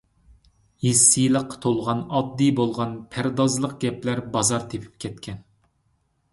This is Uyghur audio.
ھىسسىيلىققا تولغان ئاددىي بولغان پەردازلىق گەپلەر بازار تېپىپ كەتكەن.